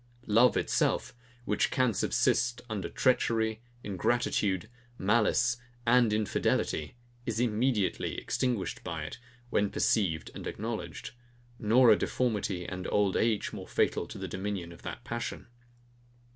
Love itself, which can subsist under treachery, ingratitude, malice, and infidelity, is immediately extinguished by it, when perceived and acknowledged; nor are deformity and old age more fatal to the dominion of that passion.